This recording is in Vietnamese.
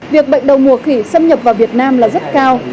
việc bệnh đầu mùa khỉ xâm nhập vào việt nam là rất cao